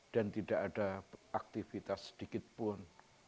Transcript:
dan tidak ada aktivitas sedikitpun